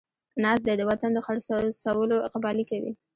ناست دی د وطن د خر څولو اقبالې کوي